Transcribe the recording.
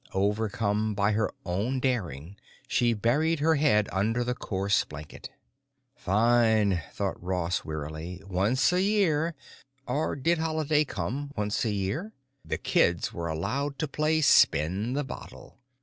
Overcome by her own daring she buried her head under the coarse blanket. Fine, thought Ross wearily. Once a year—or did Holiday come once a year?—the kids were allowed to play "Spin The Bottle."